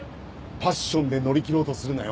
パッションで乗り切ろうとするなよ。